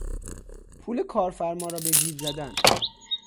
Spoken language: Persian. پول کارفرما را به جیب زدن